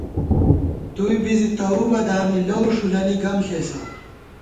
توئیں بی زی تؤو بَہ، دامی لَؤ ݭُولَنی گم ݪېسہ